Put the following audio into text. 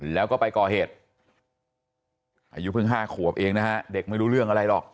แล้วก็ไปก่อเหตุอายุเพิ่ง๕ขวบเองนะฮะเด็กไม่รู้เรื่องอะไรหรอก